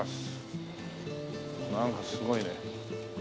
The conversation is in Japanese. なんかすごいね。